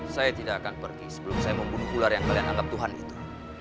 saya tidak akan pergi sebelum saya membunuh ular yang kalian anggap tuhan itu